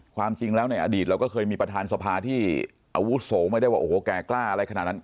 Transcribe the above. ความจริงแล้วในอดีตเราก็เคยมีประธานสภาที่อาวุโสไม่ได้ว่าโอ้โหแก่กล้าอะไรขนาดนั้น